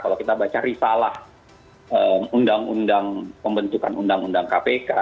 kalau kita baca risalah undang undang pembentukan undang undang kpk